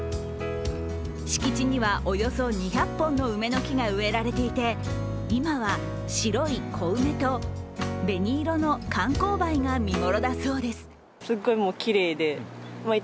敷地にはおよそ２００本の梅の木が植えられていて今は白い小梅と、紅色の寒紅梅が見頃だそうです。